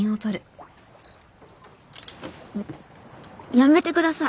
やめてください。